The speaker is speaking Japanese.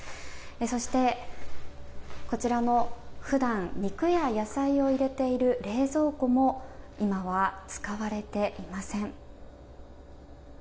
そして、こちらの普段、肉や野菜を入れている冷蔵庫も今は使われていません。